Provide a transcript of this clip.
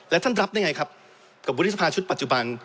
แล้วท่านรับได้ไงครับกับวุฒิสภาชุดปัจจุบัน